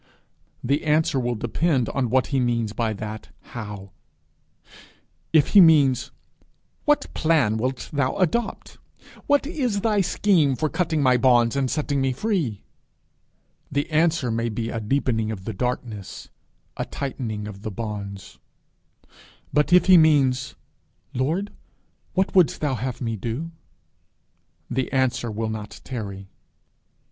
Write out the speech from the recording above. the answer will depend on what he means by that how. If he means, 'What plan wilt thou adopt? What is thy scheme for cutting my bonds and setting me free?' the answer may be a deepening of the darkness, a tightening of the bonds. But if he means, 'Lord, what wouldst thou have me to do?' the answer will not tarry.